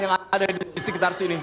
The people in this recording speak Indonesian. yang ada di sekitar sini